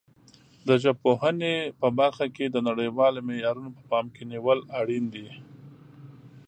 د ژبپوهنې په برخه کې د نړیوالو معیارونو په پام کې نیول اړین دي.